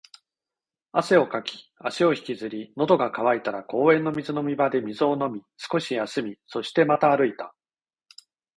汗をかき、足を引きずり、喉が渇いたら公園の水飲み場で水を飲み、少し休み、そしてまた歩いた